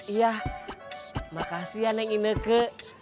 iya makasih ya neng ineke